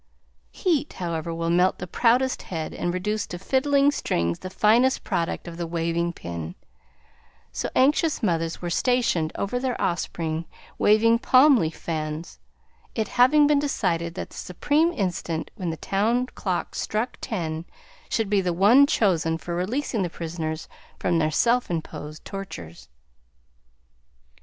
Heat, however, will melt the proudest head and reduce to fiddling strings the finest product of the waving pin; so anxious mothers were stationed over their offspring, waving palm leaf fans, it having been decided that the supreme instant when the town clock struck ten should be the one chosen for releasing the prisoners from their self imposed tortures.